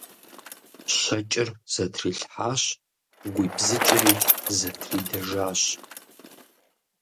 Щэкӏыр зэтрилъхьэщ, гуибзыкӏри зэтридэжащ.